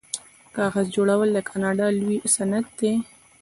کاغذ جوړول د کاناډا لوی صنعت دی.